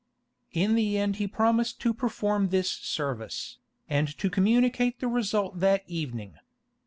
In the end he promised to perform this service, and to communicate the result that evening.